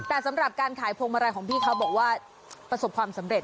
แต่สำหรับการขายพวงมาลัยของพี่เขาบอกว่าประสบความสำเร็จ